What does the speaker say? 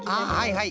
はい。